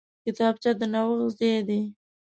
کتابچه د نوښت ځای دی